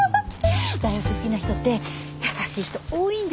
大福好きな人って優しい人多いんですよ。